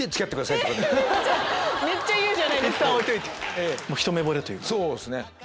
めっちゃ言うじゃないですか。